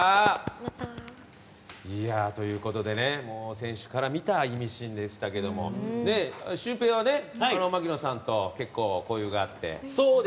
選手から見たイミシンでしたがシュウペイは槙野さんと結構、交友があって。